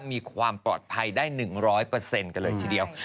มีความปลอดภัยได้๑๐๐กันเลยทีเดียว